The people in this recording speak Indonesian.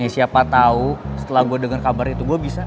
siapa tau setelah gue denger kabarnya itu gue bisa